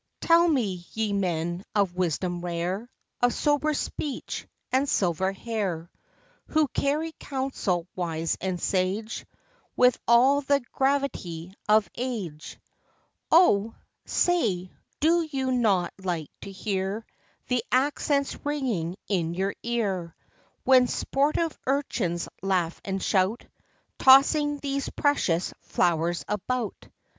ŌĆØ Tell me, ye men, of wisdom rare, Of sober speech and silver hair; Who carry counsel wise and sage, With all the gravity of age; Oh ! say, do you not like to hear The accents ringing in your ear, When sportive urchins laugh and shout; Tossing these precious flowers about; BUTTERCUPS AND DAISIES.